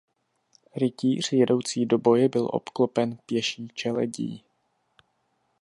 Rytíř jedoucí do boje byl obklopen pěší čeledí.